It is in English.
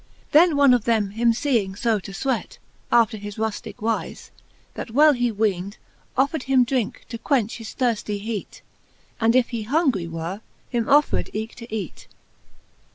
Then one of them him feeing fo to fweat, After his rufticke wife, that well he weend, Offred him drinke, to quench his thirftie heat, And if he hungry were, him offred eke to eat.